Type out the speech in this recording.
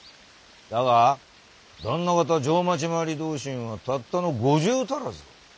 だが旦那方定町廻り同心はたったの５０足らず。